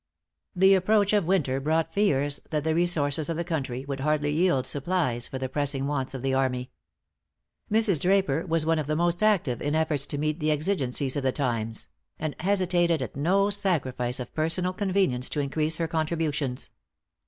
The approach of winter brought fears that the resources of the country would hardly yield supplies for the pressing wants of the army. Mrs. Draper was one of the most active in efforts to meet the exigencies of the times; and hesitated at no sacrifice of personal convenience to increase her contributions.